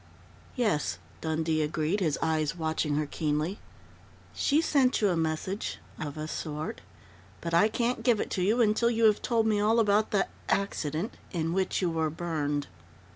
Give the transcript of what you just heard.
"Yes," Dundee agreed, his eyes watching her keenly. "She sent you a message of a sort.... But I can't give it to you until you have told me all about the accident in which you were burned."